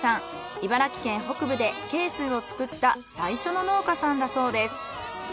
茨城県北部で恵水を作った最初の農家さんだそうです。